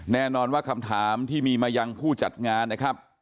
แน่นอนว่าคำถามที่มีมายังผู้จัดงานนะครับ